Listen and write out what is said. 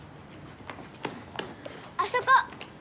あそこ！